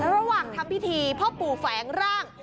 ระหว่างทำพิธีพ่อปู่แฝงร่าง